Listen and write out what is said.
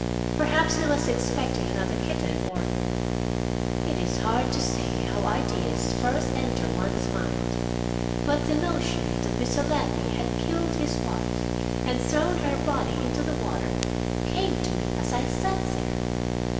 Perhaps he was expecting another kitten or It is hard to say how ideas first enter one's mind. But the notion that Mr. Ladley had killed his wife and thrown her body into the water came to me as I sat there.